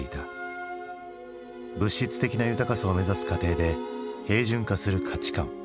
物質的な豊かさを目指す過程で平準化する価値観。